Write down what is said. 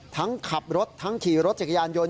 ทั้งขับรถทั้งขี่รถจักรยานยนต